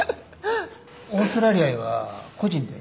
オーストラリアへは個人で？